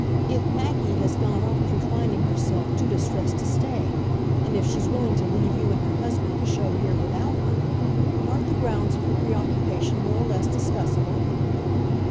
If Maggie has gone off through finding herself too distressed to stay, and if she's willing to leave you and her husband to show here without her, aren't the grounds of her preoccupation more or less discussable?"